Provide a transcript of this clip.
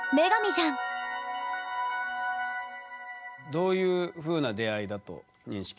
どういうふうな出会いだと認識してますか？